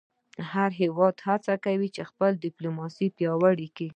هر هېواد هڅه کوي خپله ډیپلوماسي پیاوړې کړی.